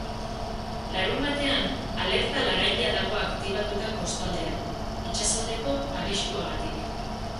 Larunbatean alerta laranja dago aktibatuta kostaldean, itsasaldeko arriskuagatik.